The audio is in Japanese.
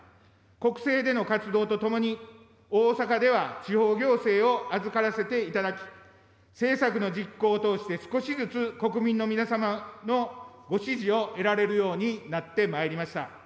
国政での活動とともに、大阪では地方行政を預からせていただき、政策の実行を通して少しずつ国民の皆様のご支持を得られるようになってまいりました。